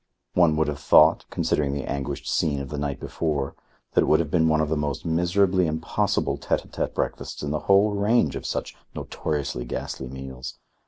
One would have thought, considering the anguished scene of the night before, that it would have been one of the most miserably impossible tete a tete breakfasts in the whole range of such notoriously ghastly meals.